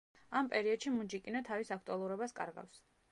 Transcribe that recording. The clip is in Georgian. ამ პერიოდში მუნჯი კინო თავის აქტუალურობას კარგავს.